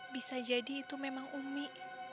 bisa jadi itu memang umi